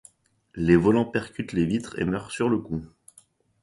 Les volants percutent les vitres et meurent sur le coup.